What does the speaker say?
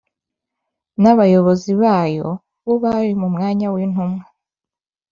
n’abayobozi bayo, bo bari mu mwanya w’intumwa